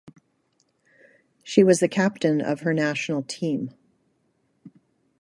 She was the captain of her national team.